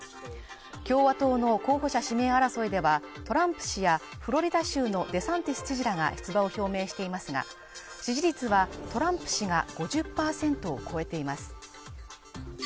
共和党の候補者指名争いでは、トランプ氏やフロリダ州のデサンティス知事らが出馬を表明していますが支持率はトランプ氏が５０％を超えています。